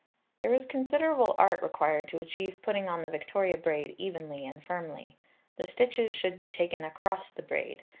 There is considerable art required to achieve putting on the Victoria braid evenly and firmly. The stitches should be taken across the braid.